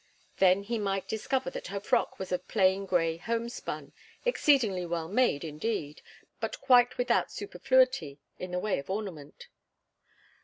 Then he might discover that her frock was of plain grey homespun, exceedingly well made, indeed, but quite without superfluity in the way of ornament.